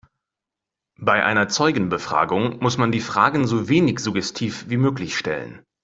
Bei einer Zeugenbefragung muss man die Fragen so wenig suggestiv wie möglich stellen.